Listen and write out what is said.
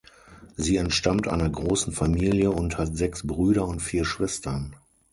Sie entstammt einer großen Familie und hat sechs Brüder und vier Schwestern.